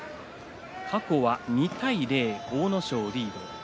過去は２対０、阿武咲リード。